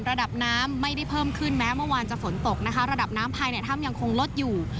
ระดับน้ำไม่ได้เพิ่มขึ้นแม้เมื่อวานจะฝนตกนะคะระดับน้ำภายในถ้ำยังคงลดอยู่